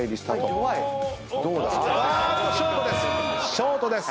ショートです。